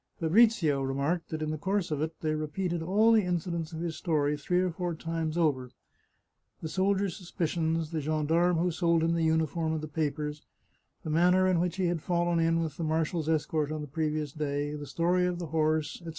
Fabrizio remarked that in the course of it they repeated all the incidents of his story three or four times over — the soldiers' suspicions ; the gendarme who sold him the uni form and the papers ; the manner in which he had fallen in with the marshal's escort on the previous day ; the story of the horse, etc.